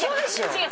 違う。